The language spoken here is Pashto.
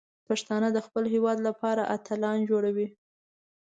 پښتانه د خپل هیواد لپاره اتلان جوړوي.